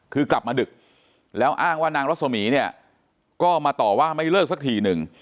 คือกลับมาดึกแล้วอ้างว่านางรสมีเนี่ยก็มาต่อว่าไม่เลิกสักทีหนึ่ง